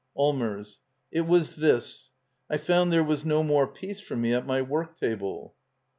Allmers. It was this: I found there was no tnore peace for me at my work table.